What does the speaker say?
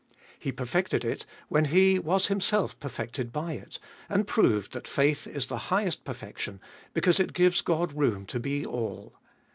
He perfected it when He was Himself perfected by it, and proved that faith is the highest perfection, because it gives God room to be all.